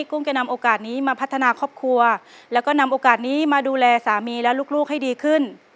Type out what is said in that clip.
กุ้งจะนำโอกาสนี้มาพัฒนาครอบครัวแล้วก็นำโอกาสนี้มาดูแลสามีและลูกให้ดีขึ้น